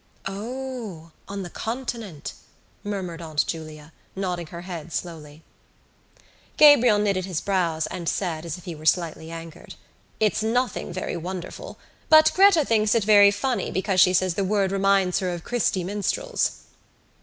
"O, on the continent," murmured Aunt Julia, nodding her head slowly. Gabriel knitted his brows and said, as if he were slightly angered: "It's nothing very wonderful but Gretta thinks it very funny because she says the word reminds her of Christy Minstrels."